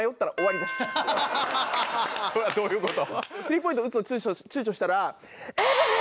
それはどういうこと？